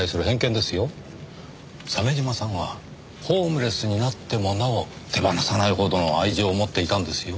鮫島さんはホームレスになってもなお手放さないほどの愛情を持っていたんですよ。